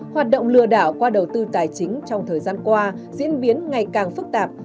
hoạt động lừa đảo qua đầu tư tài chính trong thời gian qua diễn biến ngày càng phức tạp